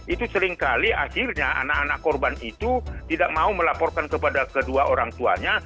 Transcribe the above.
itu seringkali akhirnya anak anak korban itu tidak mau melaporkan kepada kedua orang tuanya